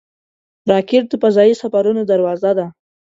راکټ د فضايي سفرونو دروازه ده